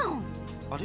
あれ？